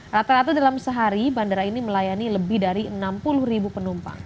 rata rata dalam sehari bandara ini melayani lebih dari enam puluh ribu penumpang